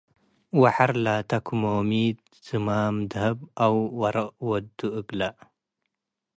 ወሐር ላት ክሞሚት፡ ዝማም ደሀብ አው ወርቅ ወዱ እግለ ።